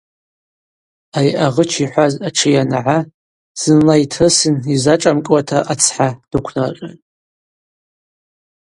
Ари агъыч йхӏваз атшы йанагӏа зынла йтрысын йзашӏамкӏуата ацхӏа дыквнаркъьатӏ.